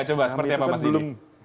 coba seperti apa mas didi